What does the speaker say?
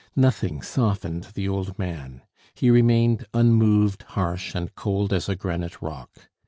Nothing softened the old man; he remained unmoved, harsh, and cold as a granite rock.